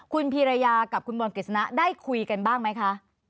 คุณพีรยากับคุณบอลกฤษณะได้คุยกันบ้างไหมคะ